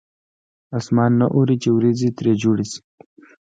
اسمان نه اوري چې ورېځې ترې جوړې شي.